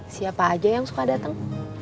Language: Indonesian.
siapa aja yang suka datang